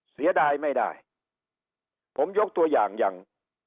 เสียดายไม่ได้ผมยกตัวอย่างอย่าง